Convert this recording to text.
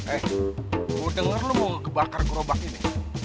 eh gue denger lu mau kebakar gerobak ini